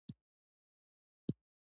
افغانستان له سیلابونه ډک دی.